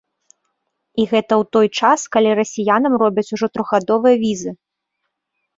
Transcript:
І гэта ў той час, калі расіянам робяць ужо трохгадовыя візы!